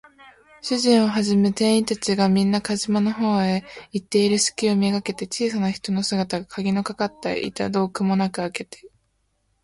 主人をはじめ店員たちが、みんな火事場のほうへ行っているすきをめがけて、小さな人の姿が、かぎのかかった板戸をくもなくあけて、